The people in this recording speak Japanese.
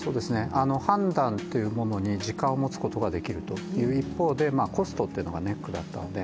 判断というものに時間を持つことができるという一方で、コストというのがいくらかかかります。